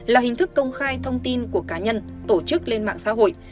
là hình thức công khai thông tin của cá nhân tổ chức lên mạng xã hội